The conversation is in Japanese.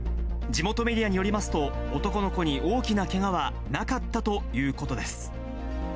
地元メディアによりますと、男の子に大きなけがはなかったということです。